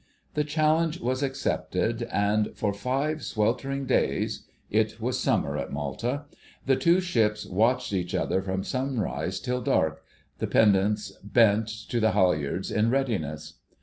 The challenge was accepted, and for five sweltering days—it was summer at Malta—the two ships watched each other from sunrise till dark, the pendants "bent" to the halyards in readiness.